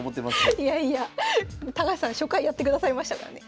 いやいや高橋さん初回やってくださいましたからね。